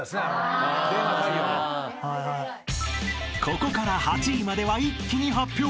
［ここから８位までは一気に発表］